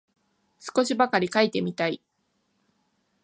少しばかり書いてみたい